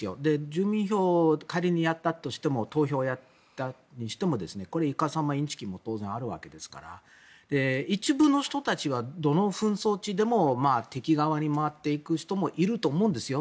住民投票を仮にやったとしてもこれ、いかさま、インキチも当然あるわけですから一部の人たちはどの紛争地でも敵側に回っていく人もいると思うんですよ